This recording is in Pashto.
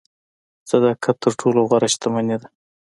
صداقت تر ټولو غوره شتمني ده.